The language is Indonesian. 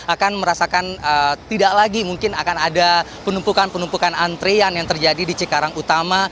akan merasakan tidak lagi mungkin akan ada penumpukan penumpukan antrean yang terjadi di cikarang utama